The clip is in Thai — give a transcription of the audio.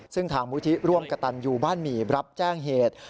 ซึ่งทางมูลที่ร่วมกระตันยูบ้านหมี่รับแจ้งเหตุ